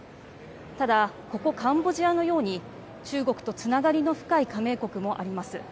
ただ、ここカンボジアのように中国とつながりの深い加盟国もあります。